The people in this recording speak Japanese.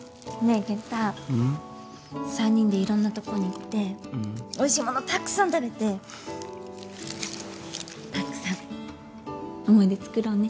３人でいろんなとこに行っておいしいものたくさん食べてたくさん思い出つくろうね。